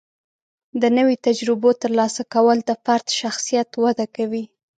د نوي تجربو ترلاسه کول د فرد شخصیت وده کوي.